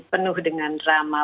penuh dengan drama